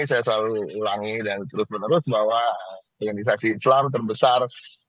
saya selalu ulangi dan terus menerus bahwa organisasi islam terbesar